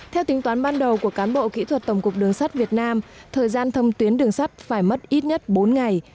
theo tính toán ban đầu của cán bộ kỹ thuật tổng cục đường sắt việt nam thời gian thông tuyến đường sắt phải mất ít nhất bốn ngày